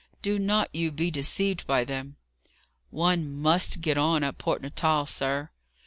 Do not you be deceived by them." "One must get on at Port Natal, sir."